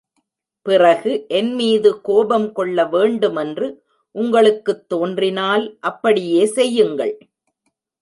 பிறகு என்மீது கோபம் கொள்ளவேண்டுமென்று உங்களுக்குத் தோன்றினால் அப்படியே செய்யுங்கள்.